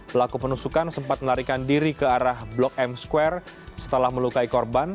pelaku penusukan sempat melarikan diri ke arah blok m square setelah melukai korban